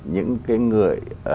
những cái người